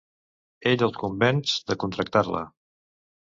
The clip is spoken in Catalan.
Ell els convenç de contractar-la.